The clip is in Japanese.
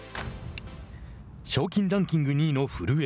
賞金ランキング２位の古江。